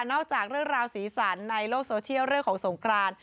จากเรื่องราวสีสันในโลกโซเชียลเรื่องของสงคราน